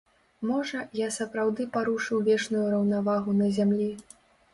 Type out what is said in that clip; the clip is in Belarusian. Можа, я сапраўды парушыў вечную раўнавагу на зямлі?